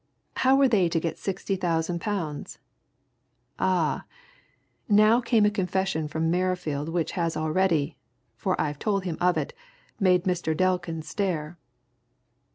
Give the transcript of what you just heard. How were they to get sixty thousand pounds? Ah! now came a confession from Merrifield which has already for I've told him of it made Mr. Delkin stare.